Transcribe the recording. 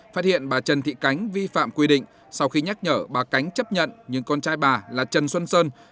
phát hiện bà trần thị cánh vi phạm quy định sau khi nhắc nhở bà cánh chấp nhận nhưng con trai bà là trần xuân sơn